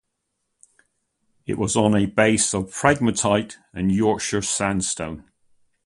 This was on a base of pegmatite and Yorkshire sandstone.